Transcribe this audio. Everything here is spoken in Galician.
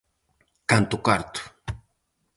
Canto carto!